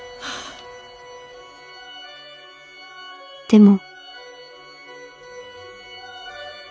「でも」。